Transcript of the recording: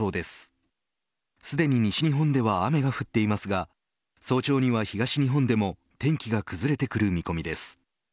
すでに西日本では雨が降っていますが早朝には東日本でも天気が崩れてくる見込みです。